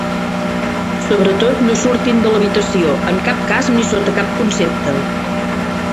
Sobretot no surtin de l'habitació en cap cas ni sota cap concepte.